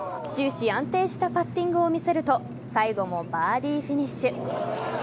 終始、安定したパッティングを見せると最後もバーディーフィニッシュ。